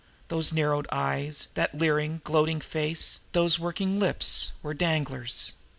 Those narrowed eyes, that leering, gloating face, those working lips were Danglar's.